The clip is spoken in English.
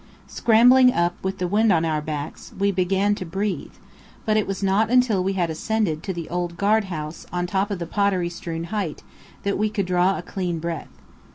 Scrambling up, with the wind on our backs, we began to breathe; but it was not until we had ascended to the old guard house on top of the pottery strewn height, that we could draw a clean breath.